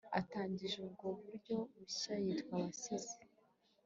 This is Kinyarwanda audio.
atangije ubwo buryo bushya, bitwa abasizi